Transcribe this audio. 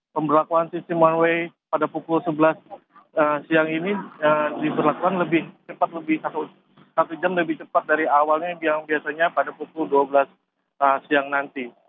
pemberlakuan sistem one way pada pukul sebelas siang ini diberlakukan lebih cepat lebih satu jam lebih cepat dari awalnya yang biasanya pada pukul dua belas siang nanti